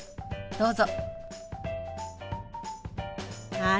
どうぞ。